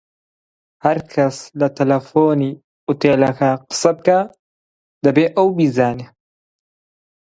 هەرکەس لە تەلەفۆنی ئوتێلەکە قسە بکا دەبێ ئەو بیزانێ